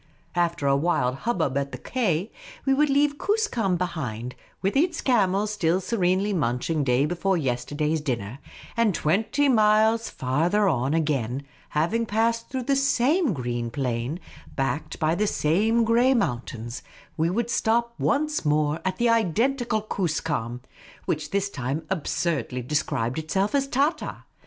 After a wild hubbub at the qnay, we would leave Koos kam behind, with its camels still vSerenely munching day before yesterday's dimier ; and twenty miles farther on, again, having passed through the same green plain, backed by the same grey i88 Miss Cayley's Adventures mountains, we would stop once more at the identical Koos kam, which this time absurdly described itself as Tahtah.